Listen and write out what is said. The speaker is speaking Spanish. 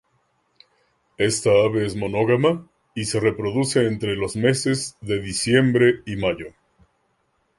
Esta ave es monógama, y se reproduce entre los meses de diciembre y mayo.